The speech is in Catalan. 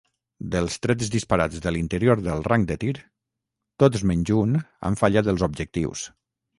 Dels trets disparats de l'interior del rang de tir, tots menys un han fallat els objectius.